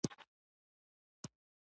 زه هم یو کتار کې ودرېدلم.